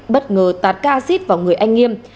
bất ngờ tạt ca acid vào người anh nghiêm